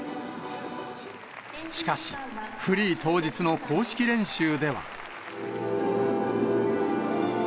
しかし、フリー当日の公式練習では。